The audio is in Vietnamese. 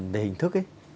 về hình thức ấy